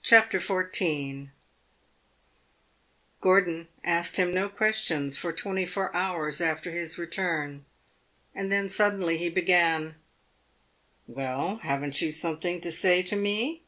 CHAPTER XIV Gordon asked him no questions for twenty four hours after his return, then suddenly he began: "Well, have n't you something to say to me?"